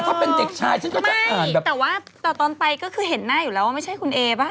ถ้าเป็นเด็กชายฉันก็ไม่ใช่แต่ว่าแต่ตอนไปก็คือเห็นหน้าอยู่แล้วว่าไม่ใช่คุณเอป่ะ